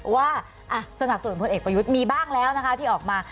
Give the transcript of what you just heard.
ว่าสนับสนุนพลเอกประยุทธ์มีบ้างแล้วนะคะที่ออกมา